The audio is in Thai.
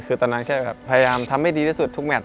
คือตอนนั้นแค่แบบพยายามทำให้ดีที่สุดทุกแมท